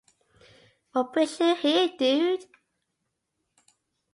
What brings you here dude ?